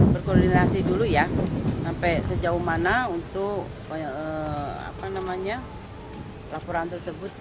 berkoordinasi dulu ya sampai sejauh mana untuk laporan tersebut